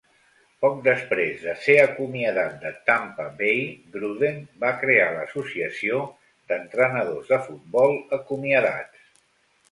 Poc després de ser acomiadat de Tampa Bay, Gruden va crear l'Associació d'Entrenadors de Futbol Acomiadats.